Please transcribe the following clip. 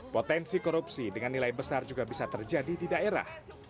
potensi korupsi dengan nilai besar juga bisa terjadi di daerah